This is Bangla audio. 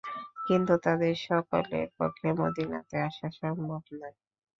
কিন্তু তাদের সকলের পক্ষে মদীনাতে আসা সম্ভব নয়।